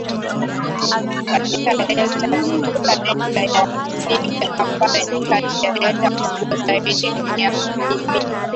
katika delta ya Niger ambayo ni kati ya delta kubwa zaidi duniani Mji